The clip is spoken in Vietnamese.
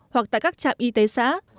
hoặc tại các trạm y tế xã